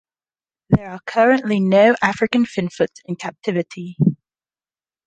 There are currently no African finfoots in captivity.